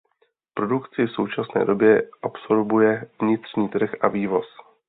Produkci v současné době absorbuje vnitřní trh a vývoz.